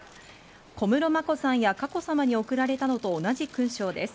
小室眞子さんや佳子さまに送られたのと同じ勲章です。